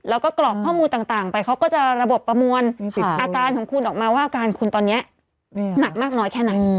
แล้วก็กรอกข้อมูลต่างไปเขาก็จะระบบประมวลอาการของคุณออกมาว่าอาการคุณตอนนี้หนักมากน้อยแค่ไหน